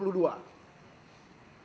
jadi udah ada perbedaan sekitar seribu